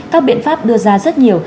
các biện pháp đưa ra rất nhiều